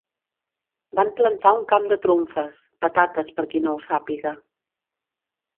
Van plantar un camp de trumfes, patates per qui no ho sàpiga